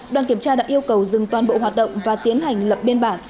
đoàn kiểm tra đã yêu cầu dừng toàn bộ hoạt động và tiến hành lập biên bản